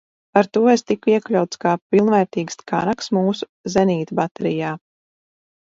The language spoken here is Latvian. Ar to es tiku iekļauts kā pilnvērtīgs kanaks mūsu zenītbaterijā.